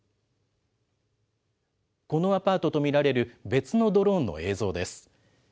このアパートと見られる別のドローンの映像です。